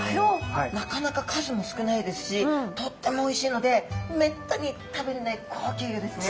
なかなか数も少ないですしとってもおいしいのでめったに食べれない高級魚ですね。